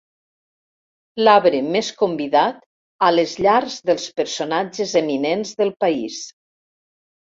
L'arbre més convidat a les llars dels personatges eminents del país.